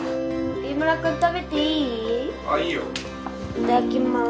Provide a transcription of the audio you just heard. いただきます。